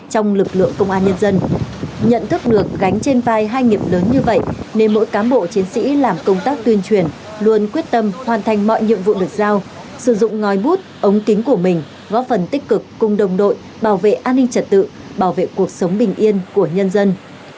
trong lực lượng công an nhân dân nhận thức được gánh trên vai hai nghiệm lớn như vậy nên mỗi cán bộ chiến sĩ làm công tác tuyên truyền luôn quyết tâm hoàn thành mọi nhiệm vụ được giao sử dụng ngòi bút ống kính của mình góp phần tích cực cùng đồng đội bảo vệ an ninh trật tự bảo vệ cuộc sống bình yên của nhân dân